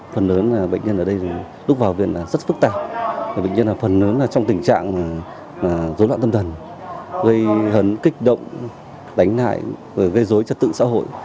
phần lớn là bệnh nhân ở đây lúc vào viện rất phức tạp bệnh nhân là phần lớn trong tình trạng dối loạn tâm thần gây hấn kích động đánh hại gây dối cho tự xã hội